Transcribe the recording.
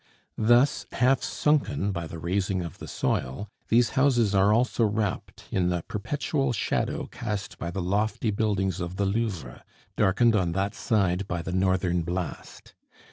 Thus, half sunken by the raising of the soil, these houses are also wrapped in the perpetual shadow cast by the lofty buildings of the Louvre, darkened on that side by the northern blast.